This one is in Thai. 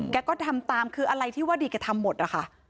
ก็ทำตามคืออะไรที่ว่าดีแกทำหมดนะคะ